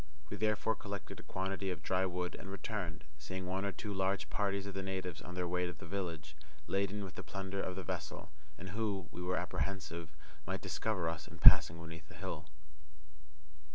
We therefore collected a quantity of dry wood and returned, seeing one or two large parties of the natives on their way to the village, laden with the plunder of the vessel, and who, we were apprehensive, might discover us in passing beneath the hill.